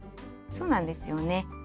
そうなんですよね。